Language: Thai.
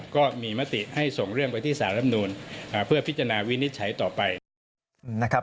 ก็มีมติให้ส่งเรื่องไปที่สารรำนูลเพื่อพิจารณาวินิจฉัยต่อไปนะครับ